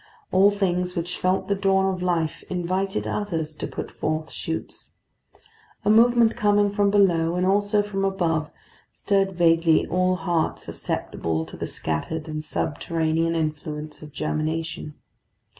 All things which felt the dawn of life invited others to put forth shoots. A movement coming from below, and also from above, stirred vaguely all hearts susceptible to the scattered and subterranean influence of germination.